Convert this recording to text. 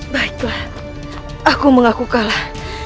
baiklah aku mengaku kalah